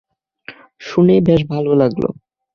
শুনেই বেশ ভালো লাগল।